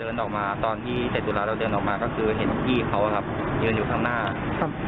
เดินออกมาตอนที่เสร็จตุลาเราเดินออกมาก็คือเห็นพี่เขาอะครับยืนอยู่ข้างหน้าครับ